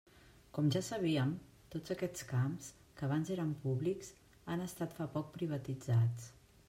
Com ja sabíem, tots aquests camps, que abans eren públics, han estat fa poc privatitzats.